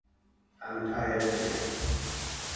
Inferno appeared in the Marvel Comics Transformers comic.